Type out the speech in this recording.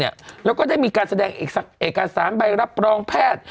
แล้วก็ได้มีการแสดงเอกสารใบรับรองแพทย์